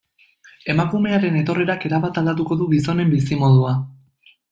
Emakumearen etorrerak erabat aldatuko du gizonen bizimodua.